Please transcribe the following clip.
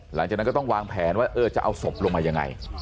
หลังจากนั้นก็ต้องวางแผนว่าเออจะเอาศพลงมายังไง